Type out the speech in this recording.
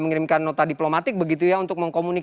mengirimkan nota diplomatik begitu ya untuk mengkomunikasikan